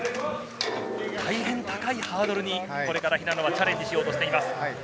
大変高いハードルにこれから平野はチャレンジしようとしています。